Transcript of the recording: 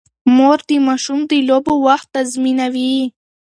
مور د ماشوم د لوبو وخت تنظیموي.